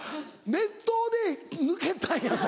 熱湯で抜けたんやぞ。